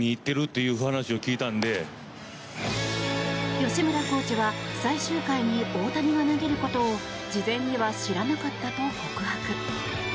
吉村コーチは最終回に大谷が投げることを事前には知らなかったと告白。